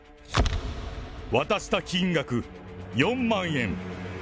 渡した金額４万円。